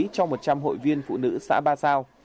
cho một trăm linh hội viên phụ nữ xã ba sao